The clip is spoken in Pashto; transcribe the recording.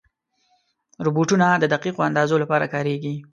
روبوټونه د دقیقو اندازو لپاره کارېږي.